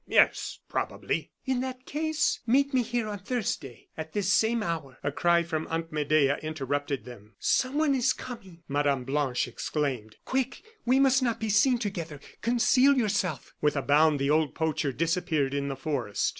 Yes, probably." "In that case, meet me here on Thursday, at this same hour." A cry from Aunt Medea interrupted them. "Someone is coming!" Mme. Blanche exclaimed. "Quick! we must not be seen together. Conceal yourself." With a bound the old poacher disappeared in the forest.